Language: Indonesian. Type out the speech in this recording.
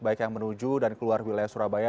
baik yang menuju dan keluar wilayah surabaya